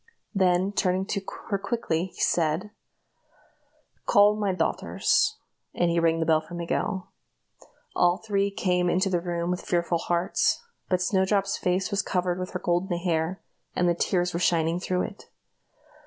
Then, turning to her quickly, he said: "Call my daughters;" and he rang the bell for Miguel. All three came into the room with fearful hearts; but Snowdrop's face was covered with her golden hair, and the tears were shining through it.